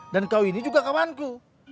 dan kau ini juga kawanku